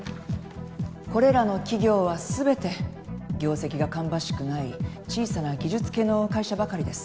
これらの企業は全て業績が芳しくない小さな技術系の会社ばかりです。